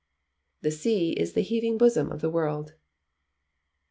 [THE SEA IS THE HEAVING BOSOM OF THE WORLD.